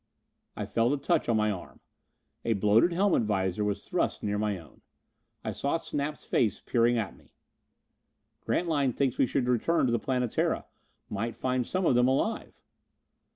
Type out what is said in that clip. I felt a touch on my arm. A bloated helmet visor was thrust near my own. I saw Snap's face peering at me. "Grantline thinks we should return to the Planetara. Might find some of them alive."